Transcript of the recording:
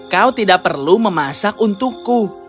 kau tidak perlu memasak untukku